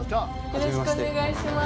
よろしくお願いします。